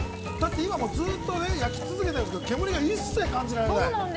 今も焼き続けていますけど煙が一切感じられない。